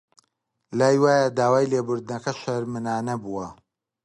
لای وایە داوای لێبوردنەکە شەرمنانە بووە